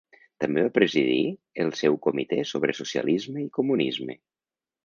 També va presidir el seu Comitè sobre Socialisme i Comunisme.